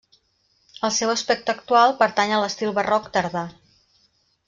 El seu aspecte actual pertany a l'estil barroc tardà.